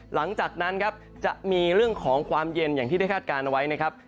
หลังจากนั้นครับจะมีเรื่องของความเย็นอย่างที่ได้คาดการณ์เอาไว้นะครับ